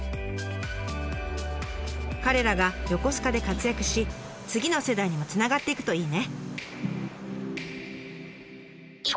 彼らが横須賀で活躍し次の世代にもつながっていくといいね！